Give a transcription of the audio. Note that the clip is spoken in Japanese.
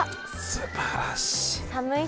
すばらしい。